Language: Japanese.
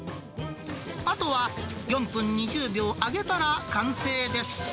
あとは４分２０秒揚げたら完成です。